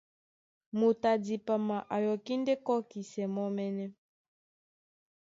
Moto a dipama a yɔkí ndé kɔ́kisɛ mɔ́mɛ́nɛ́.